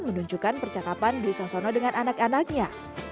menunjukkan percakapan duisa sono dengan anak anaknya